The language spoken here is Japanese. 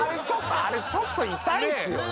あれちょっと痛いっすよね。